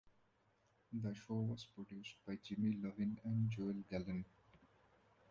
The show was produced by Jimmy Iovine and Joel Gallen.